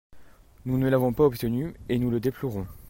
Nous ne l’avons pas obtenu et nous le déplorons.